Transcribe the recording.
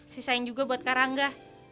sisain juga buat karangga